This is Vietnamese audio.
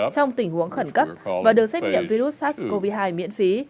trong tình huống khẩn cấp và được xét nghiệm virus sars cov hai miễn phí